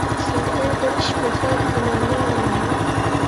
سىزگە بىر ئىش بولسا تۇرمامدىم مانا مەن!